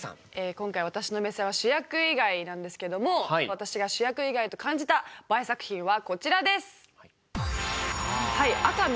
今回私の目線は「主役以外」なんですけども私が主役以外と感じたＢＡＥ作品はこちらです！